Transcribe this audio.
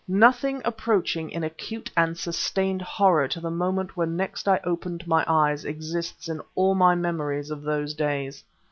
Nothing approaching in acute and sustained horror to the moment when next I opened my eyes exists in all my memories of those days.